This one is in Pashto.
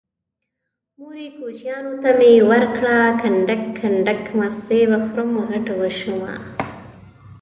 مورې کوچيانو ته مې ورکړه کنډک کنډک مستې به خورم غټه به شمه